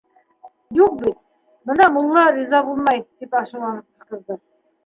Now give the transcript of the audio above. — Юҡ бит, бына мулла риза булмай, — тип асыуланып ҡысҡырҙы.